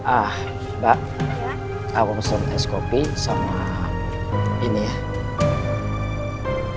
ah mbak aku pesan es kopi sama ini ya